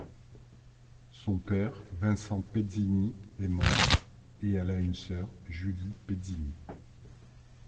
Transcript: Son père, Vincent Pezzini est mort et elle a une sœur, Julie Pezzini.